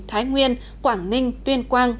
thái nguyên quảng ninh tuyên quang